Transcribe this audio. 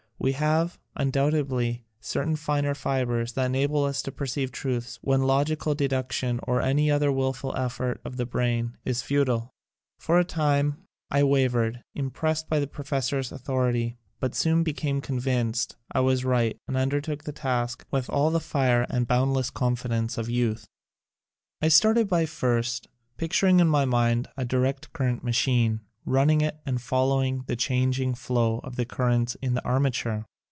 We have, undoubt edly, certain finer fibers that enable us to perceive truths when logical deduction, or any other willful effort of the brain, is futile. For a time I wavered, imprest by the professor's authority, but soon became convinced I was right and undertook the task with all the fire and boundless confi dence of youth. I started by first picturing in my mind a direct Current machine, running it and fol lowing the changing flow of the currents in the armature.